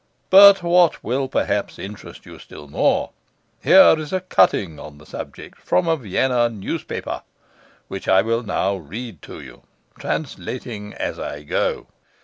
But, what will perhaps interest you still more, here is a cutting on the subject from a Vienna newspaper, which I will now read to you, translating as I go.